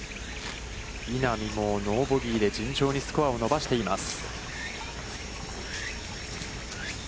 稲見もノーボギーで順調にスコアを伸ばしています。